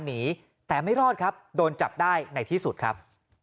หนีแต่ไม่รอดครับโดนจับได้ในที่สุดครับ